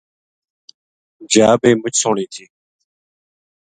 جا بے مُچ سوہنی تھی